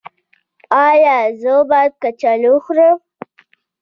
ایا زه باید کچالو وخورم؟